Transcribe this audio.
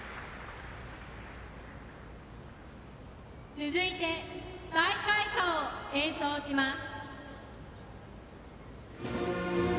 続いて大会歌を演奏します。